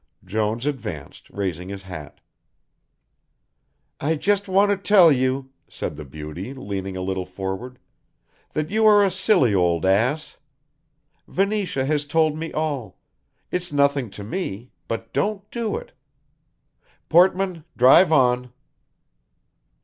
Jones advanced, raising his hat. "I just want to tell you," said the Beauty, leaning a little forward, "that you are a silly old ass. Venetia has told me all It's nothing to me, but don't do it Portman, drive on."